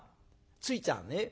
「ついちゃあね